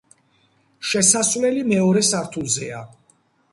შესასვლელი მეორე სართულზეა.